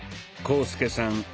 浩介さん